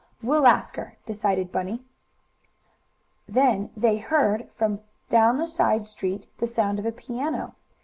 "We'll ask her," decided Bunny. Then they heard, from down the side street, the sound of a piano.